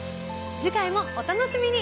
次回もお楽しみに。